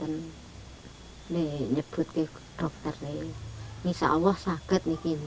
ini nyebut ke dokternya bisa allah sangat ini